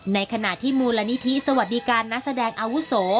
ในขณะที่มูลนิธิสวัสดิการนักแสดงอาวุโส